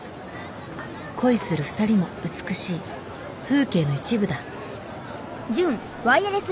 恋する２人も美しい風景の一部だ。